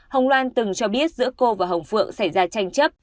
hồng loan từng cho biết giữa cô và hồng phượng xảy ra tranh chấp